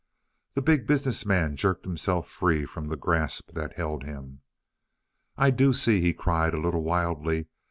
The Big Business Man jerked himself free from the grasp that held him. "I do see," he cried a little wildly.